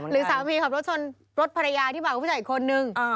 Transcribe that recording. หรือสามีขับรถชนรถภรรยาที่มากับผู้หญิงอีกคนหนึ่ง